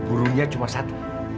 burunya cuma satu